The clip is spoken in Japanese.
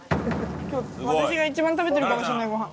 今日私が一番食べてるかもしれないご飯。